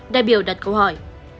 đại biểu đặt câu hỏi